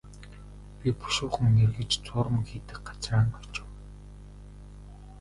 Би бушуухан эргэж зуурмаг хийдэг газраа очив.